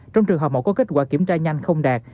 trong trường hợp mẫu có kết quả kiểm tra nhanh không đạt